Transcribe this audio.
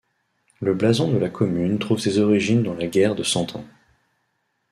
Le blason de la commune trouve ses origines dans la guerre de Cent Ans.